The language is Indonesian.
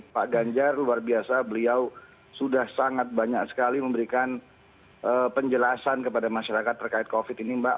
pak ganjar luar biasa beliau sudah sangat banyak sekali memberikan penjelasan kepada masyarakat terkait covid ini mbak